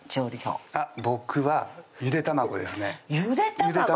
僕はゆで卵ですねゆで卵！